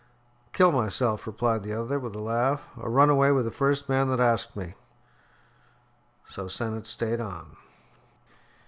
"Kill myself," replied the other, with a laugh, "or run away with the first man that asked me." So Sennett stayed on.